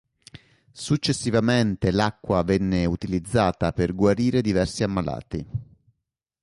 Successivamente l'acqua venne utilizzata per guarire diversi ammalati.